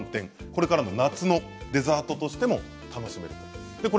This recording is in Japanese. これからの夏のデザートとしても楽しめます。